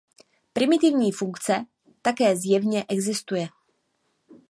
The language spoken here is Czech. Primitivní funkce také zjevně existuje.